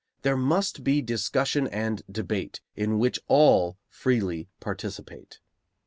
There must be discussion and debate, in which all freely participate.